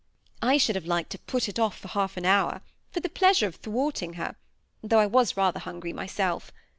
I should have liked to put it off for half an hour, for the pleasure of thwarting her, though I was rather hungry mjrself.